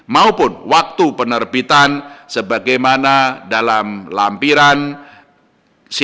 maupun waktu penerbitan sebagaimana dalam lampiran siaran pes ini